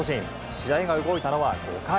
試合が動いたのは５回。